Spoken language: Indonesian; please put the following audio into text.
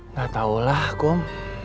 nggak tahulah kom